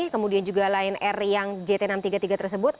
kemudian juga lion air yang jt enam ratus tiga puluh tiga tersebut